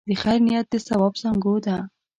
د خیر نیت د ثواب زانګو ده.